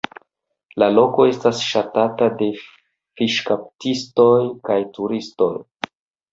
La loko estas ŝatata de fiŝkaptistoj kaj turistoj.